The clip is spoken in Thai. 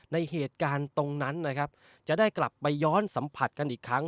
ในเหตุการณ์ตรงนั้นนะครับจะได้กลับไปย้อนสัมผัสกันอีกครั้ง